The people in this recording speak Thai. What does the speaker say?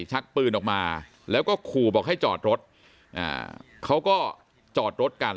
ชักปืนออกมาแล้วก็ขู่บอกให้จอดรถเขาก็จอดรถกัน